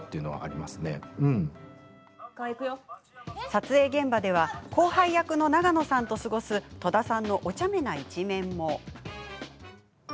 撮影現場では後輩役の永野さんと過ごす戸田さんのおちゃめな一面も。